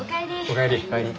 お帰り。